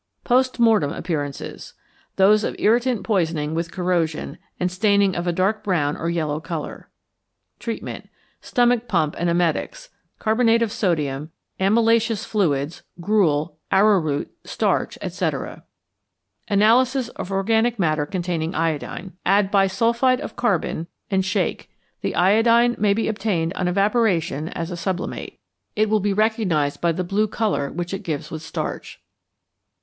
Post Mortem Appearances. Those of irritant poisoning with corrosion, and staining of a dark brown or yellow colour. Treatment. Stomach pump and emetics, carbonate of sodium, amylaceous fluids, gruel, arrowroot, starch, etc. Analysis of Organic Mixture containing Iodine. Add bisulphide of carbon, and shake. The iodine may be obtained on evaporation as a sublimate. It will be recognized by the blue colour which it gives with starch.